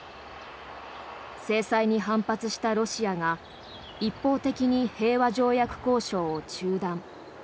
制裁に反発したロシアが一方的に平和条約交渉を中断。